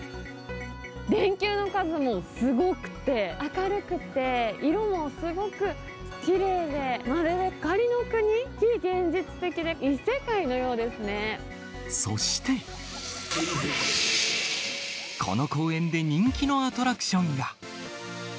電球の数もすごくて、明るくて、色もすごくきれいで、まるで光の国、非現実的で、そして、この公園で人気のアトラクションが。